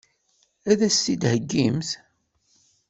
Ad as-t-id-theggimt?